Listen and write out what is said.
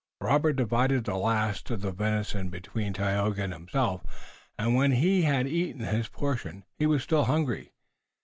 Robert divided the last of the venison between Tayoga and himself, and when he had eaten his portion he was still hungry.